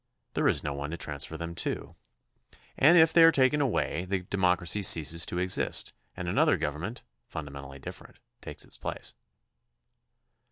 There is no one to transfer them to, and if 54 THE CONSTITUTION AND ITS MAKERS they are taken away the democracy ceases to exist and another government, fundamentally different, takes its place.